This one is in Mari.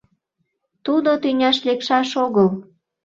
Тудо тӱняш лекшаш огыл!..